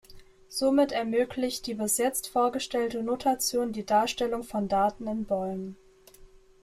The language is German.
Somit ermöglicht die bis jetzt vorgestellte Notation die Darstellung von Daten in Bäumen.